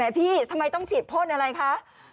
พี่ทำไมต้องฉีดพ่นอะไรคะ